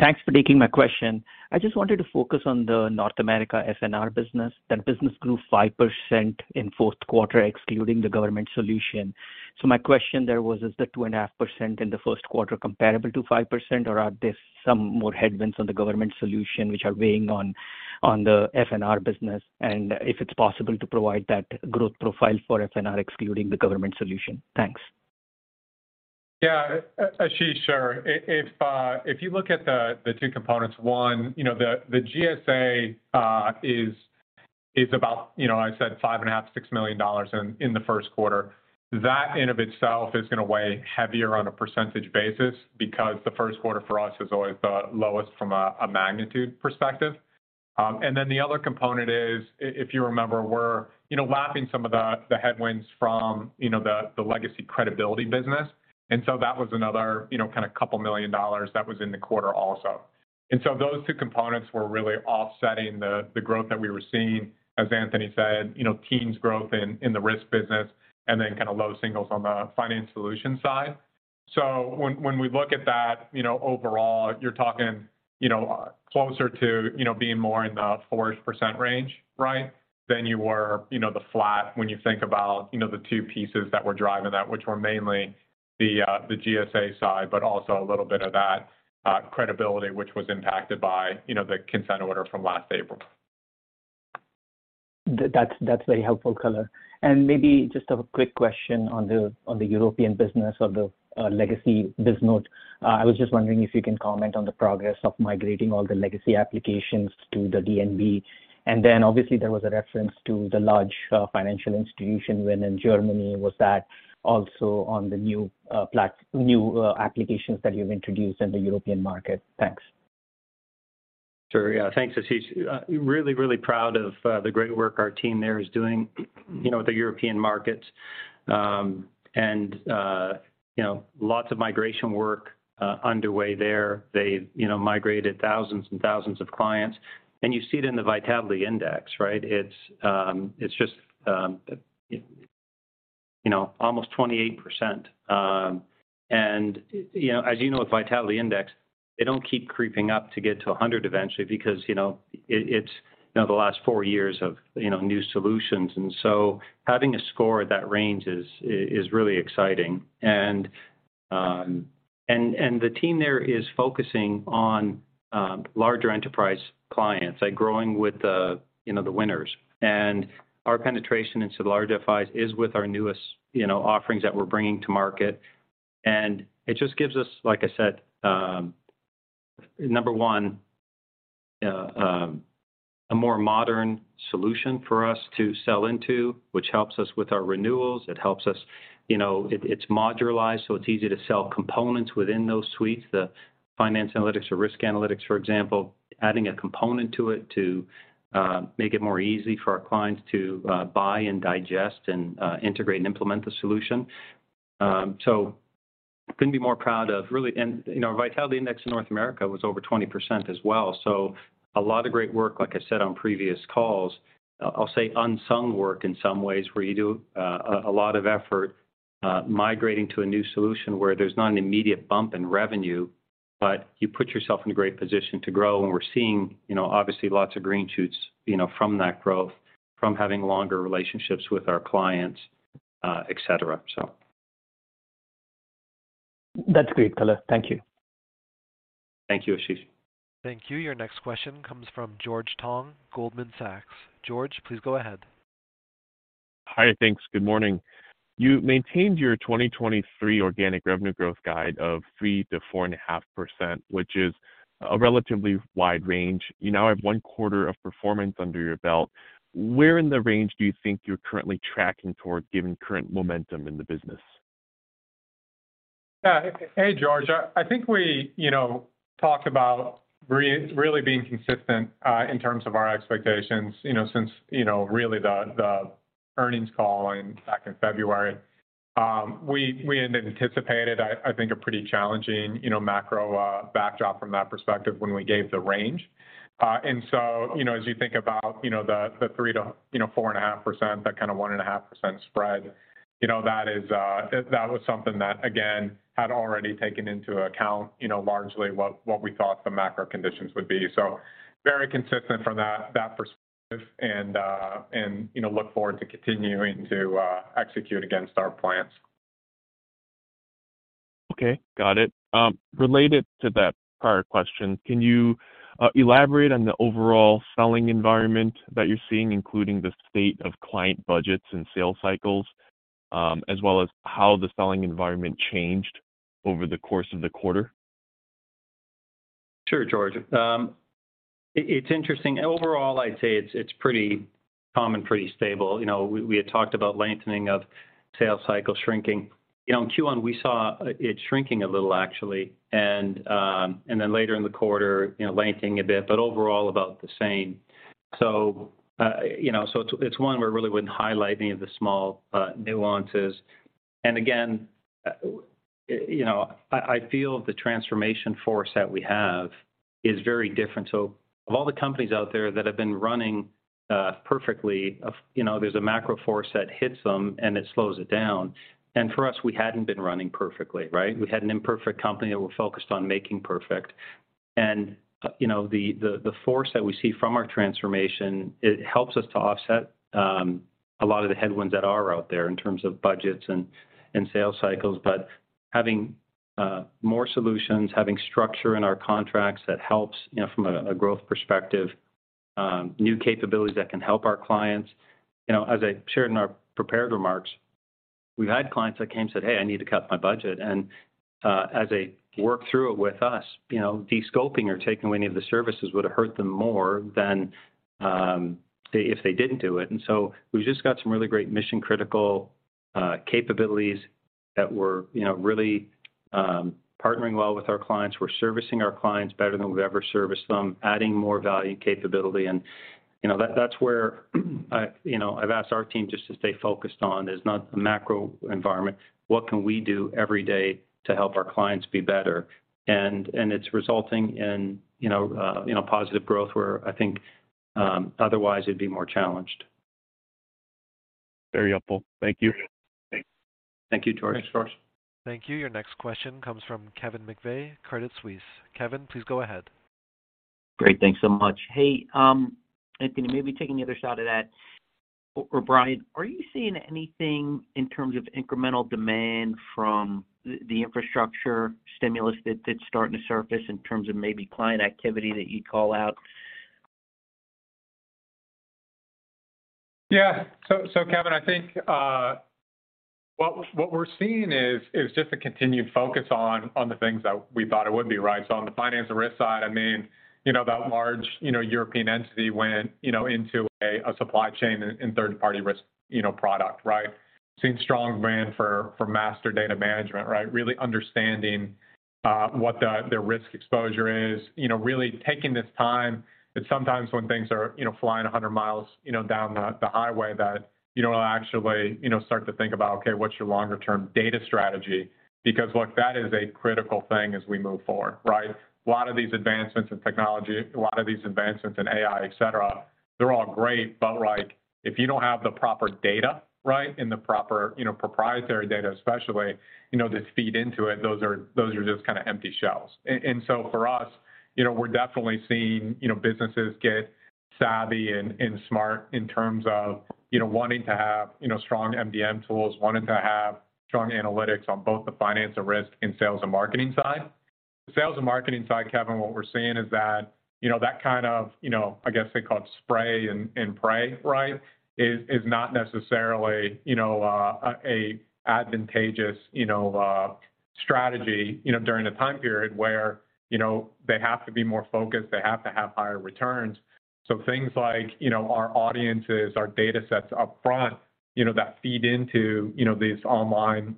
Thanks for taking my question. I just wanted to focus on the North America FNR business. That business grew 5% in fourth quarter, excluding the government solution. My question there was, is the 2.5% in the first quarter comparable to 5%, or are there some more headwinds on the government solution which are weighing on the FNR business? If it's possible to provide that growth profile for FNR excluding the government solution. Thanks. Ashish, sure. If you look at the two components, one, you know, the GSA is about, you know, I said $5.5 million-$6 million in the first quarter. That in of itself is gonna weigh heavier on a percentage basis because the first quarter for us is always the lowest from a magnitude perspective. The other component is, if you remember, we're, you know, lapping some of the headwinds from, you know, the legacy credibility business. That was another, you know, kind of $2 million that was in the quarter also. Those two components were really offsetting the growth that we were seeing. As Anthony said, you know, teens growth in the risk business and then kind of low singles on the finance solution side. When we look at that, you know, overall, you're talking, you know, closer to, you know, being more in the 4-ish% range, right, than you were, you know, the flat when you think about, you know, the two pieces that were driving that, which were mainly the GSA side, but also a little bit of that, credibility, which was impacted by, you know, the consent order from last April. That's very helpful color. Maybe just a quick question on the European business or the legacy Bisnode. I was just wondering if you can comment on the progress of migrating all the legacy applications to the DNB. Obviously, there was a reference to the large financial institution win in Germany. Was that also on the new applications that you've introduced in the European market? Thanks. Sure. Yeah. Thanks, Ashish. really proud of the great work our team there is doing, you know, with the European markets. You know, lots of migration work underway there. They've, you know, migrated thousands and thousands of clients, and you see it in the Vitality Index, right? It's just, you know, almost 28%. You know, as you know, with Vitality Index, they don't keep creeping up to get to 100 eventually because, you know, it's, you know, the last 4 years of, you know, new solutions. Having a score at that range is really exciting. The team there is focusing on larger enterprise clients, like growing with the, you know, the winners. Our penetration into large FIs is with our newest, you know, offerings that we're bringing to market. It just gives us, like I said, number one, a more modern solution for us to sell into, which helps us with our renewals. It helps us, you know, it's modularized, so it's easy to sell components within those suites, the finance analytics or risk analytics, for example, adding a component to it to make it more easy for our clients to buy and digest and integrate and implement the solution. Couldn't be more proud of really. You know, our Vitality Index in North America was over 20% as well. A lot of great work, like I said on previous calls. I'll say unsung work in some ways, where you do a lot of effort migrating to a new solution where there's not an immediate bump in revenue, but you put yourself in a great position to grow. We're seeing, you know, obviously lots of green shoots, you know, from that growth from having longer relationships with our clients, et cetera. That's great, Anthony. Thank you. Thank you, Ashish. Thank you. Your next question comes from George Tong, Goldman Sachs. George, please go ahead. Hi. Thanks. Good morning. You maintained your 2023 organic revenue growth guide of 3%-4.5%, which is a relatively wide range. You now have one quarter of performance under your belt. Where in the range do you think you're currently tracking towards given current momentum in the business? Hey, George. I think we, you know, talked about really being consistent, in terms of our expectations, you know, since, you know, really the earnings call back in February. We had anticipated, I think a pretty challenging, you know, macro backdrop from that perspective when we gave the range. As you think about, you know, the 3%-4.5%, that kind of 1.5% spread, you know, that is, that was something that again had already taken into account, you know, largely what we thought the macro conditions would be. Very consistent from that perspective and, you know, look forward to continuing to execute against our plans. Okay, got it. Related to that prior question, can you elaborate on the overall selling environment that you're seeing, including the state of client budgets and sales cycles, as well as how the selling environment changed over the course of the quarter? Sure, George. It's interesting. Overall, I'd say it's pretty calm and pretty stable. You know, we had talked about lengthening of sales cycle shrinking. You know, in Q1 we saw it shrinking a little actually, and then later in the quarter, you know, lengthening a bit, but overall about the same. You know, so it's one we really wouldn't highlight any of the small nuances. Again, you know, I feel the transformation force that we have is very different. Of all the companies out there that have been running perfectly, you know, there's a macro force that hits them, and it slows it down. For us, we hadn't been running perfectly, right? We had an imperfect company that we're focused on making perfect. You know, the, the force that we see from our transformation, it helps us to offset a lot of the headwinds that are out there in terms of budgets and sales cycles, having more solutions, having structure in our contracts that helps, you know, from a growth perspective, new capabilities that can help our clients. You know, as I shared in our prepared remarks, we've had clients that came and said, "Hey, I need to cut my budget." As they work through it with us, you know, de-scoping or taking away any of the services would have hurt them more than if they didn't do it. We've just got some really great mission-critical capabilities that we're, you know, really partnering well with our clients. We're servicing our clients better than we've ever serviced them, adding more value and capability. You know, that's where I, you know, I've asked our team just to stay focused on. It's not the macro environment. What can we do every day to help our clients be better? It's resulting in, you know, you know, positive growth where I think, otherwise it'd be more challenged. Very helpful. Thank you. Thank you, George. Thanks, George. Thank you. Your next question comes from Kevin McVeigh, Credit Suisse. Kevin, please go ahead. Great. Thanks so much. Hey, Anthony, maybe taking the other side of that, or Bryan, are you seeing anything in terms of incremental demand from the infrastructure stimulus that's starting to surface in terms of maybe client activity that you'd call out? Yeah. Kevin, I think what we're seeing is just a continued focus on the things that we thought it would be, right? On the finance and risk side, I mean, you know, that large, you know, European entity went, you know, into a supply chain and third-party risk, you know, product, right? Seeing strong demand for master data management, right? Really understanding what the risk exposure is. You know, really taking this time that sometimes when things are, you know, flying 100 miles, you know, down the highway that you don't actually, you know, start to think about, okay, what's your longer term data strategy? Look, that is a critical thing as we move forward, right? A lot of these advancements in technology, a lot of these advancements in AI, et cetera, they're all great, but like, if you don't have the proper data, right, and the proper, you know, proprietary data especially, you know, to feed into it, those are just kind of empty shells. So for us, you know, we're definitely seeing, you know, businesses get savvy and smart in terms of, you know, wanting to have, you know, strong MDM tools, wanting to have strong analytics on both the finance and risk and sales and marketing side. The sales and marketing side, Kevin, what we're seeing is that, you know, that kind of, you know, I guess, they call it spray and pray, right, is not necessarily, you know, a advantageous, you know, strategy, you know, during the time period where, you know, they have to be more focused, they have to have higher returns. Things like, you know, our audiences, our datasets upfront, you know, that feed into, you know, these online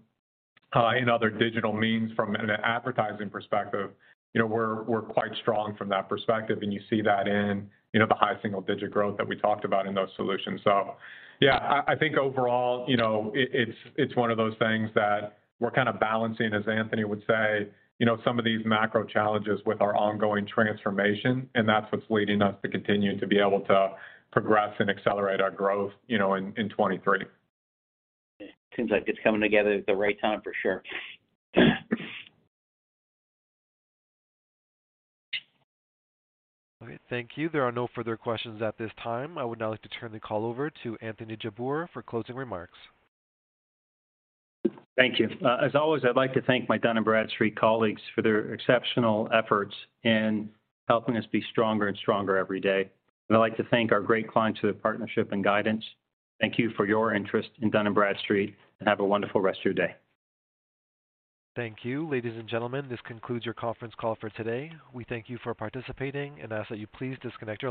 and other digital means from an advertising perspective. You know, we're quite strong from that perspective, and you see that in, you know, the high single digit growth that we talked about in those solutions. Yeah, I think overall, you know, it's, it's one of those things that we're kind of balancing, as Anthony would say, you know, some of these macro challenges with our ongoing transformation, and that's what's leading us to continue to be able to progress and accelerate our growth, you know, in 2023. Yeah. Seems like it's coming together at the right time for sure. All right. Thank you. There are no further questions at this time. I would now like to turn the call over to Anthony Jabbour for closing remarks. Thank you. As always, I'd like to thank my Dun & Bradstreet colleagues for their exceptional efforts in helping us be stronger and stronger every day. I'd like to thank our great clients for their partnership and guidance. Thank you for your interest in Dun & Bradstreet, have a wonderful rest of your day. Thank you. Ladies and gentlemen, this concludes your conference call for today. We thank you for participating and ask that you please disconnect.